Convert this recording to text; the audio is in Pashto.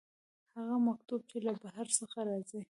هغه مکتوب چې له بهر څخه راځي.